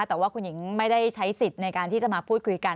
แต่ว่าคุณหญิงไม่ได้ใช้สิทธิ์ในการที่จะมาพูดคุยกัน